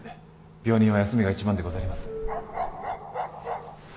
病人は休みが一番でござります。